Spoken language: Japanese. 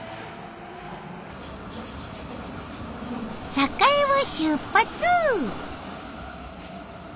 栄を出発。